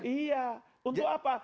iya untuk apa